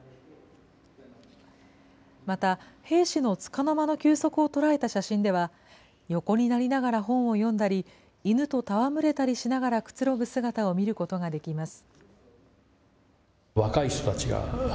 また、兵士のつかの間の休息を捉えた写真では、横になりながら本を読んだり、犬と戯れたりしながらくつろぐ姿を見ることができます。